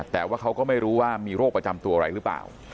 แต่ว่าเขาก็ไม่รู้ว่ามีโรคประจำตัวอะไรหรือเปล่า